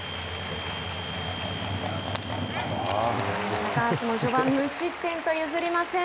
高橋も序盤、無失点と譲りません。